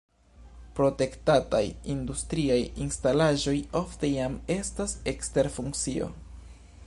Protektataj industriaj instalaĵoj ofte jam estas ekster funkcio.